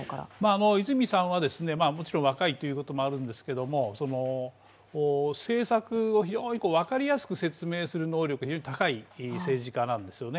泉さんはもちろん若いということもあるんですけれども政策を非常に分かりやすく説明する能力が非常に高い政治家なんですよね。